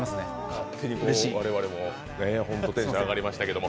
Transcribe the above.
勝手に我々も本当にテンション上がりましたけど。